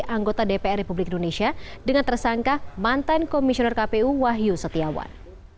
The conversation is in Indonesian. anggota dpr republik indonesia dengan tersangka mantan komisioner kpu wahyu setiawan